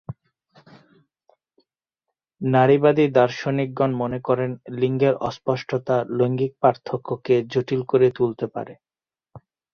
নারীবাদী দার্শনিকগণ মনে করেন লিঙ্গের অস্পষ্টতা লৈঙ্গিক পার্থক্যকে জটিল করে তুলতে পারে।